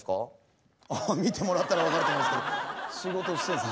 あ見てもらったら分かると思うんですけど仕事してます